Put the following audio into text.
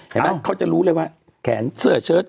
เห็นมั้ยเขาจะรู้เลยว่าแขนเสื้อเชิ้ต